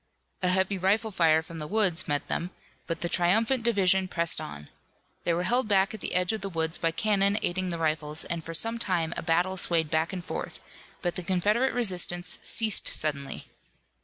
A heavy rifle fire from the woods met them, but the triumphant division pressed on. They were held back at the edge of the woods by cannon aiding the rifles, and for some time a battle swayed back and forth, but the Confederate resistance ceased suddenly.